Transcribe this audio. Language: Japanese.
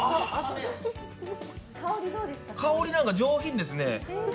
香り、なんか上品ですね。